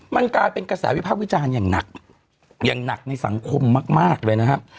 มันกลายเป็นกระแสวิภาควิจารณ์อย่างหนักอย่างหนักในสังคมมากเลยนะครับ